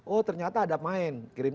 oh ternyata ada main kirim